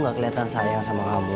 gak kelihatan sayang sama kamu